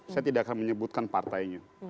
saya tidak akan menyebutkan partainya